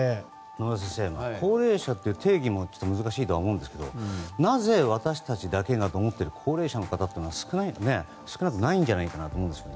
野村先生、高齢者という定義も難しいと思うんですけどなぜ私たちだけがと思っている高齢者の方も少なくないんじゃないかと思うんですが。